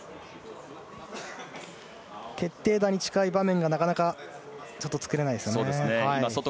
決定打に近い場面がなかなか作れないですね。